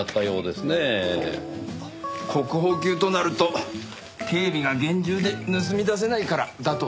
国宝級となると警備が厳重で盗み出せないからだとさ。